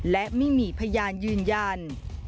และไม่มีพยานยืนยัน